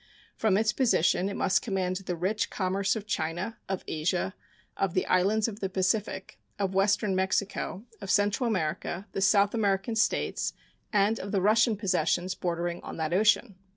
From its position it must command the rich commerce of China, of Asia, of the islands of the Pacific, of western Mexico, of Central America, the South American States, and of the Russian possessions bordering on that ocean.